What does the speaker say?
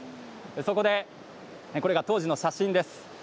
そこで、当時の写真です。